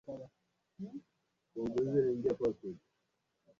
takutana na victor abuso katika wimbi la siasa emanuel makunde